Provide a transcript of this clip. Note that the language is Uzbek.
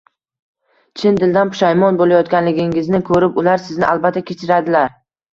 Chin dildan pushayomon bo‘layotganligingizni ko‘rib, ular sizni albatta kechiradilar.